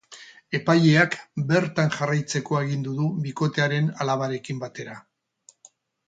Epaileak bertan jarraitzeko agindu du bikotearen alabarekin batera.